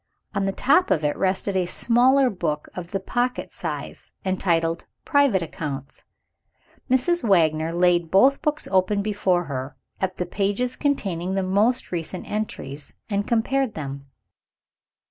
On the top of it rested a smaller book, of the pocket size, entitled "Private Accounts." Mrs. Wagner laid both books open before her, at the pages containing the most recent entries, and compared them.